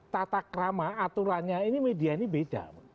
tata krama aturannya ini media ini beda